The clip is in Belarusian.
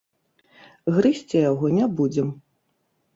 Грызці яго не будзем.